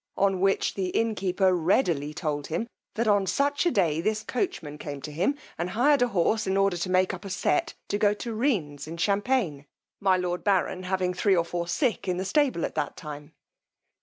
on which the innkeeper readily told him, that on such a day this coachman came to him and hired a horse in order to make up a set to go to Rheines in Champaigne, my lord baron having three or four sick in the stable at that time.